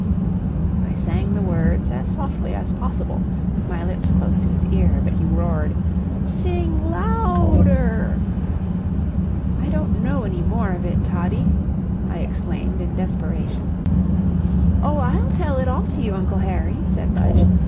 I sang the words as softly as possible with my lips close to his ear, but he roared: "Sing louder." "I don't know any more of it, Toddie," I exclaimed in desperation. "Oh, I'll tell it all to you, Uncle Harry," said Budge.